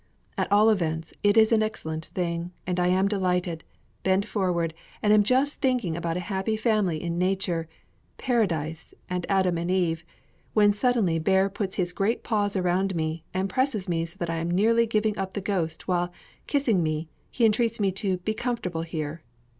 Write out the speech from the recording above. At all events, it is an excellent thing, and I am delighted, bend forward, and am just thinking about a happy family in nature, Paradise, and Adam and Eve, when suddenly Bear puts his great paws around me, and presses me so that I am near giving up the ghost, while, kissing me, he entreats me to "be comfortable here."